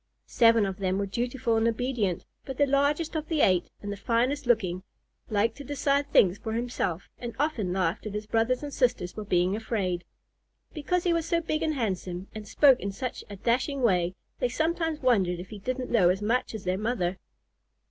Seven of them were dutiful and obedient, but the largest of the eight, and the finest looking, liked to decide things for himself, and often laughed at his brothers and sisters for being afraid. Because he was so big and handsome, and spoke in such a dashing way, they sometimes wondered if he didn't know as much as their mother.